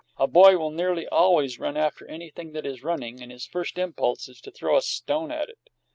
A boy will nearly always run after anything that is running, and his first impulse is to throw a stone at it.